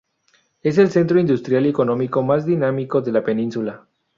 Es el centro industrial y económico más dinámico de la península.